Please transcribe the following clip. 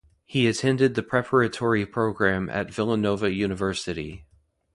He attended the preparatory program at Villanova University.